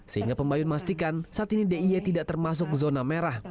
sehingga pembayun memastikan saat ini d i e tidak termasuk zona merah